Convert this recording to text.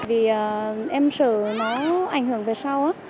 vì em sợ nó ảnh hưởng về sau á